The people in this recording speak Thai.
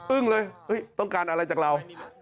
เลยต้องการอะไรจากเรา